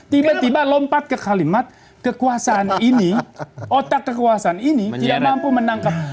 tiba tiba lompat ke kalimat kekuasaan ini otak kekuasaan ini tidak mampu menangkap